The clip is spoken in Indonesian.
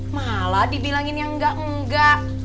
malah dibilangin yang enggak enggak